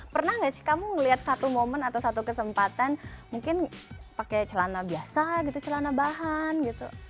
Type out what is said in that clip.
pernah nggak sih kamu ngeliat satu momen atau satu kesempatan mungkin pakai celana biasa gitu celana bahan gitu